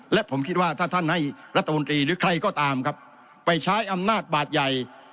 และผมคิดว่าถ้าท่านให้รัฐมนตรีหรือใครก็ตามครับไปใช้อำนาจบาดใหญ่